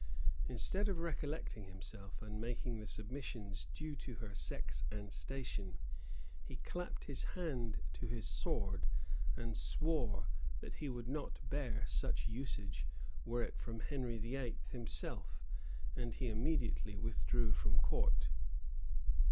Instead of recollecting himself, and making the submissions due to her sex and station, he clapped his hand to his sword, and swore, that he would not bear such usage, were it from Henry VIII. himself, and he immediately withdrew from court.